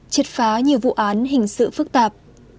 triệt phá nhiều vụ án hình sự phức tạp